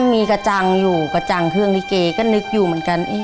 มีกระจังอยู่กระจังเครื่องลิเกก็นึกอยู่เหมือนกัน